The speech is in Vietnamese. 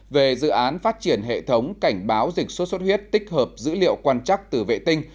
về dự án phát triển hệ thống cảnh báo dịch sốt xuất huyết tích hợp dữ liệu quan chắc từ vệ tinh